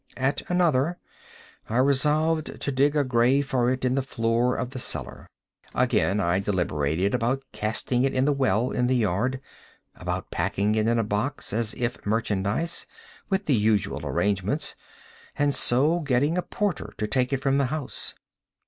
At another, I resolved to dig a grave for it in the floor of the cellar. Again, I deliberated about casting it in the well in the yard—about packing it in a box, as if merchandise, with the usual arrangements, and so getting a porter to take it from the house.